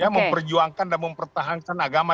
memperjuangkan dan mempertahankan agama